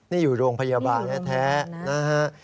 นี่อยู่โรงพยาบาลแท้นะฮะ